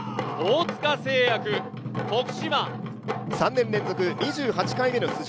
３年連続２８回目の出場。